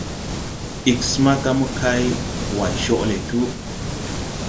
Ig smaga mokay way coʼ le tu.